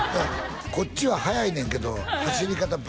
こっちは速いねんけど走り方